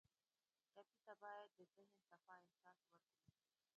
ټپي ته باید د ذهن صفا احساس ورکړو.